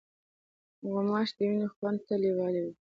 غوماشې د وینې خوند ته لیوالې وي.